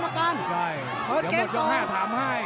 กาดเกมสีแดงเดินแบ่งมูธรุด้วย